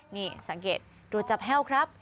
นี่สังเกตตรวจจับแห้วครับ